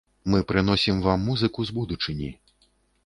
Мы прыносім вам музыку з будучыні.